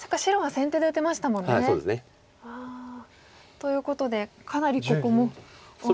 ということでかなりここも大きいんですね。